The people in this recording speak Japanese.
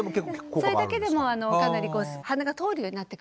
それだけでもかなり鼻が通るようになってくるので。